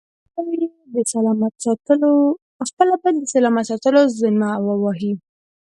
پخپله به یې د سلامت ساتلو ذمه و وهي.